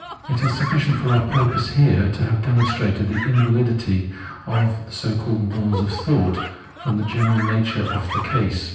It is sufficient for our purpose here to have demon strated the invahdity of the so called laws of thought from the general nature of the case.